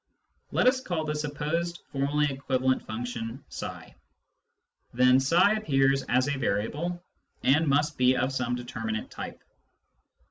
Let us call the supposed formally equivalent function iji. Then ift appears as a variable, and must be of some determinate type.